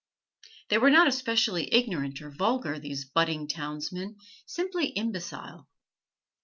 They were not especially ignorant or vulgar, these budding townsmen, simply imbecile.